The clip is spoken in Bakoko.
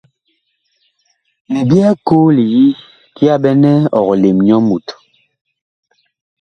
Mi byɛɛ koo li yi kiyaɓɛnɛ ɔg lem nyɔ Mut.